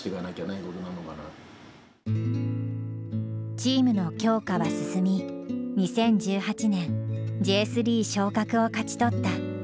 チームの強化は進み２０１８年Ｊ３昇格を勝ち取った。